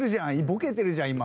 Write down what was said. ボケてるじゃん今！